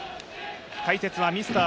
解説はミスター